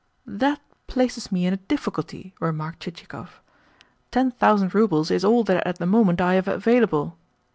"That places me in a difficulty," remarked Chichikov. "Ten thousand roubles is all that at the moment I have available."